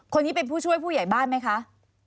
คนนี้เป็นผู้ช่วยผู้ใหญ่บ้านไหมคะ